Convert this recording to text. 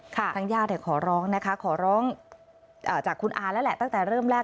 ทางญาติขอร้องนะคะขอร้องจากคุณอาแล้วแหละตั้งแต่เริ่มแรก